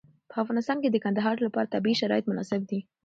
په افغانستان کې د کندهار لپاره طبیعي شرایط مناسب دي.